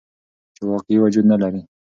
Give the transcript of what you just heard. چې واقعي وجود نه لري.